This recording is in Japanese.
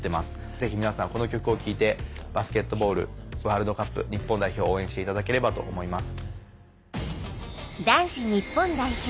ぜひ皆さんこの曲を聴いてバスケットボールワールドカップ日本代表を応援していただければと思います。